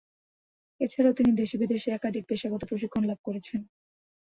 এছাড়াও তিনি দেশে-বিদেশে একাধিক পেশাগত প্রশিক্ষণ লাভ করেছেন।